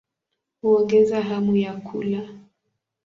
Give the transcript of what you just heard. Huongeza hamu ya kula.